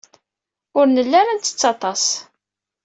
Ur nelli ara nettett aṭas.